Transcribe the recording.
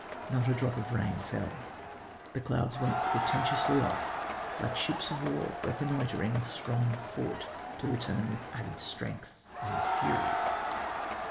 Not a drop of rain fell; the clouds went portentously off, like ships of war reconnoitring a strong fort, to return with added strength and fury."